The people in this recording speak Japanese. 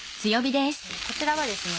こちらはですね